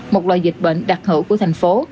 một loài dịch bệnh đặc hữu của thành phố